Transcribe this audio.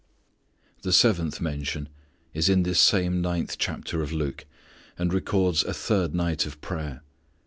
The seventh mention is in this same ninth chapter of Luke, and records a third night of prayer.